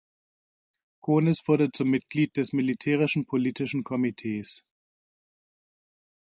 Konis wurde zum Mitglied des "Militärischen Politischen Komitees".